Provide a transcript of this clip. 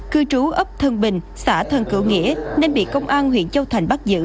cư trú ấp thân bình xã thân cửu nghĩa nên bị công an huyện châu thành bắt giữ